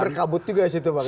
jadi berkabut juga disitu pak ya